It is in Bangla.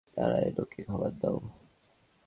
নারায়ণ, ওকে খাবার দাও।